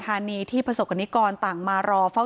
ท่านผู้ชมครับ